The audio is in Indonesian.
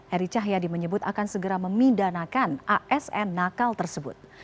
eri cahyadi menyebut akan segera memindanakan asn nakal tersebut